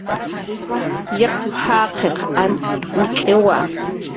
"Yaqp"" jaqiq antz nik'iwa"